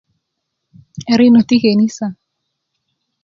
a rinä ti kenisa